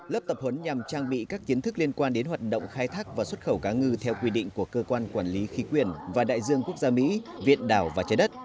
lớp tập huấn nhằm trang bị các kiến thức liên quan đến hoạt động khai thác và xuất khẩu cá ngư theo quy định của cơ quan quản lý khí quyền và đại dương quốc gia mỹ viện đảo và trái đất